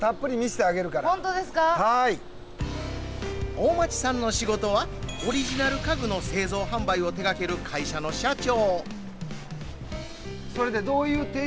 大町さんの仕事はオリジナル家具の製造販売を手がける会社の社長。